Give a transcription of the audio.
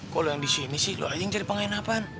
kok lo yang disini sih lo aja yang cari pengenapan